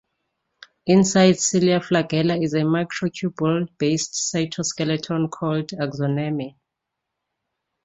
Inside cilia and flagella is a microtubule-based cytoskeleton called the axoneme.